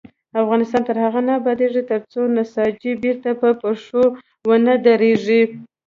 افغانستان تر هغو نه ابادیږي، ترڅو نساجي بیرته په پښو ونه دریږي.